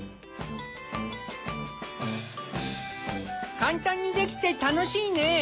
簡単にできて楽しいね。